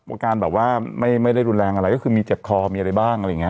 อาการแบบว่าไม่ได้รุนแรงอะไรก็คือมีเจ็บคอมีอะไรบ้างอะไรอย่างนี้